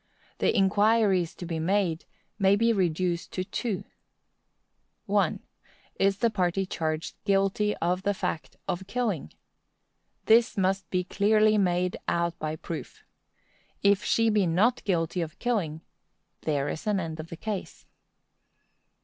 The inquiries to be made may be reduced to two: 1. Is the party charged guilty of the fact of killing? This must be clearly made out by proof. If she be not guilty of killing, there is an end of the case. 2.